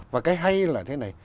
và cái hay là thế này